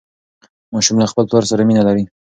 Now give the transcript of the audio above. ماشوم له خپل پلار سره مینه لري.